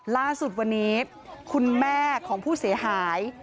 ล่าสุดวันนี้คุณแม่ของผู้เสียหาย